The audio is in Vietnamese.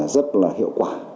rất là hiệu quả